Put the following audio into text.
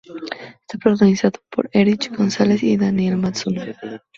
Está protagonizada por Erich Gonzales y Daniel Matsunaga.